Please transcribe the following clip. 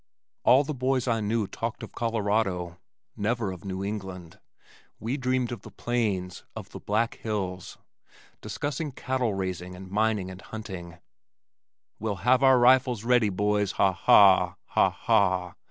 All the boys I knew talked of Colorado, never of New England. We dreamed of the plains, of the Black Hills, discussing cattle raising and mining and hunting. "We'll have our rifles ready, boys, ha, ha, ha ha!"